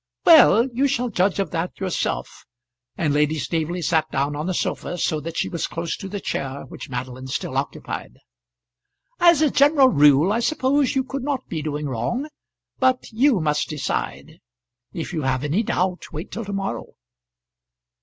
"Well; you shall judge of that yourself;" and Lady Staveley sat down on the sofa so that she was close to the chair which Madeline still occupied. "As a general rule I suppose you could not be doing wrong; but you must decide. If you have any doubt, wait till to morrow."